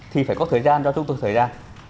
thì phải có thời gian cho chúng tôi xử lý ra